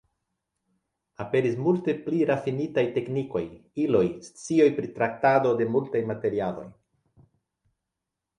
Aperis multe pli rafinitaj teknikoj, iloj, scioj pri traktado de multaj materialoj.